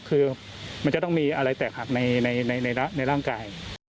คือมันจะต้องมีอะไรแตกหักในร่างกาย